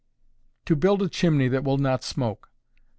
_To Build a Chimney that Will Not Smoke.